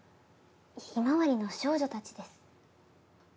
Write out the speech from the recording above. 「ひまわりの少女たち」です。